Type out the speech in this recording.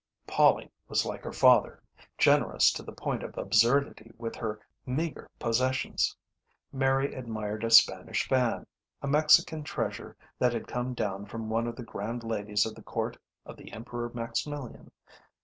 Polly was like her father, generous to the point of absurdity with her meagre possessions. Mary admired a Spanish fan a Mexican treasure that had come down from one of the grand ladies of the Court of the Emperor Maximilian.